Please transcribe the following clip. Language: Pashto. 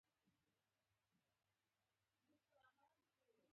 لاسونه يې غاړه کې واچول.